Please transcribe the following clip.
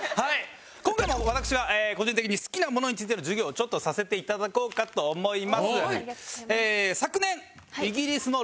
今回も私は個人的に好きなものについての授業をちょっとさせて頂こうかと思います。